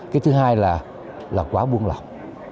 cái thứ hai là quá buông lỏng